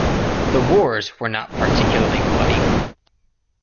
The "wars" were not particularly bloody.